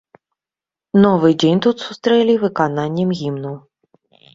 Новы дзень тут сустрэлі выкананнем гімну.